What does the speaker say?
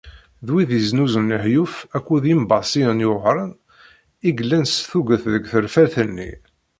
D wid yeznuzun lehyuf akked yembaṣiyen yuεren i yellan s tuget deg terfelt-nni.